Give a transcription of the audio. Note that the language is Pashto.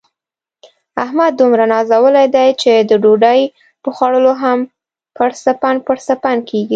احمد دومره نازولی دی، چې د ډوډۍ په خوړلو هم پړسپن پړسپن کېږي.